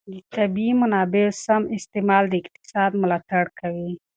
د طبیعي منابعو سم استعمال د اقتصاد ملاتړ کوي.